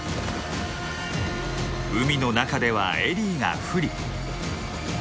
海の中ではエリーが不利。